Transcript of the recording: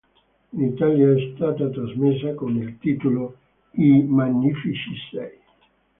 In Italia è stata trasmessa con il titolo "I magnifici sei".